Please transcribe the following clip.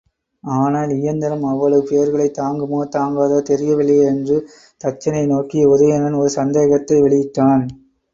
ஆனால், இயந்திரம் அவ்வளவு பேர்களைத் தாங்குமோ, தாங்காதோ தெரியவில்லையே? என்று தச்சனை நோக்கி உதயணன் ஒரு சந்தேகத்தை வெளியிட்டான்.